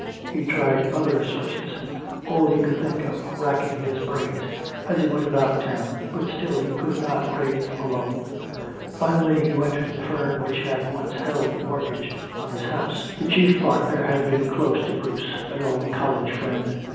He tried other sources, all he could think of, racking his brains as he went about town, but still he could not raise a loan. Finally he went to the firm which had once held a mortgage on his house. The chief partner had been close to Bruce, an old college friend.